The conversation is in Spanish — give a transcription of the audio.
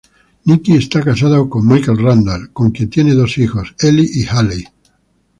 Nikki está casada con Michael Randall, con quien tiene dos hijas Elly y Hayley.